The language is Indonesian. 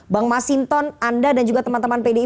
bang masinton anda dan juga teman teman pdip